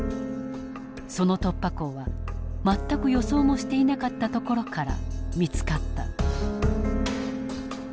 その突破口は全く予想もしていなかったところから見つかった。